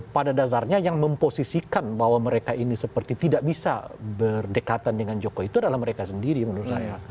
pada dasarnya yang memposisikan bahwa mereka ini seperti tidak bisa berdekatan dengan jokowi itu adalah mereka sendiri menurut saya